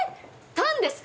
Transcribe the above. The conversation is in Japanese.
タンですか？